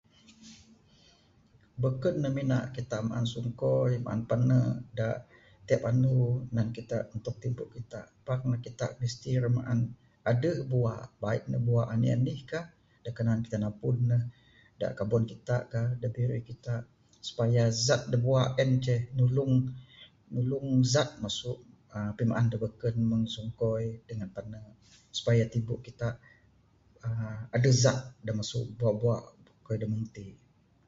Beken ne mina kita maan sungkoi maan pane'k da tiap andu nan kita untuk tibu kita pak ne kita mesti ra maan aduh bua, bait ne bua anih anih kah. Da kanan kita napud ne, da kabon kita ka, da area kita supaya zat da bua en ceh nulung nulung zat masu aaa pimaan da beken mung sungkoi dangan pane'k supaya tibu kita aaa aduh zat masu bua bua da meng ti.